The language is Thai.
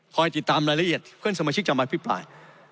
ติดตามรายละเอียดเพื่อนสมาชิกจะมาพิปราย